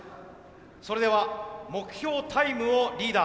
それでは目標タイムをリーダー。